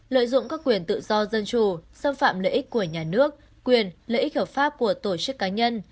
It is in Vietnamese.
lợi dụng các quyền tự do dân chủ xâm phạm lợi ích của nhà nước quyền lợi ích hợp pháp của tổ chức cá nhân